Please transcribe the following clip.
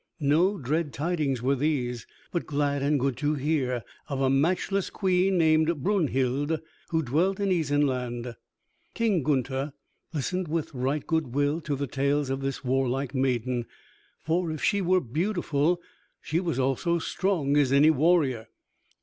No dread tidings were these, but glad and good to hear, of a matchless Queen named Brunhild who dwelt in Isenland. King Gunther listened with right good will to the tales of this warlike maiden, for if she were beautiful she was also strong as any warrior.